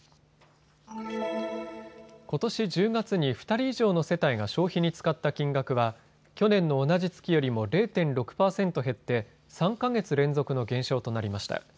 ことし１０月に２人以上の世帯が消費に使った金額は去年の同じ月よりも０．６％減って３か月連続の減少となりました。